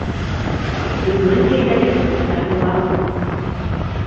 Бөгөн ерләгән әруах мин.